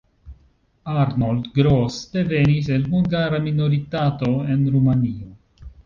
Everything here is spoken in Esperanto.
Arnold Gross devenis el hungara minoritato en Rumanio.